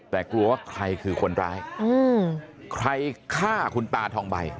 แต่กลัวว่าใครคือคนร้ายใครฆ่าคุณตาทองใบ